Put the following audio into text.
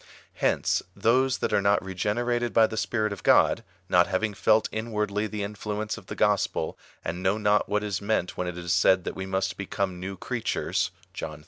Hence, those that are not regenerated by the Spirit of God — not having felt inwardly the influence of the gospel, and know not what is meant when it is said that we must become new creatures, (John iii.